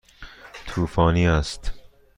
طوفانی است.